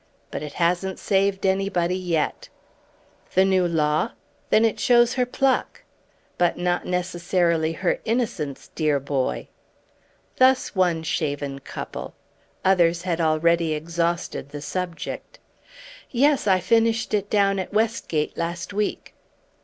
But it hasn't saved anybody yet." "The new law? Then it shows her pluck!" "But not necessarily her innocence, dear boy." Thus one shaven couple. Others had already exhausted the subject. "Yes, I finished it down at Westgate last week."